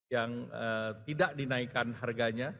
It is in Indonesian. yang tidak dinaikkan harganya